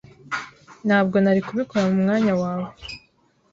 Ntabwo nari kubikora mu mwanya wawe.